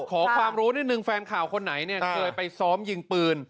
ขอความรู้นิดนึงแฟนข่าวคนไหนเนี่ยเคยไปซ้อมยิงปืน